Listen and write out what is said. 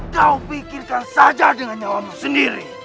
kau pikirkan saja dengan nyawamu sendiri